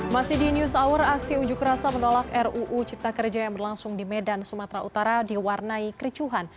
masih di news hour aksi unjuk rasa menolak ruu cipta kerja yang berlangsung di medan sumatera utara diwarnai kericuhan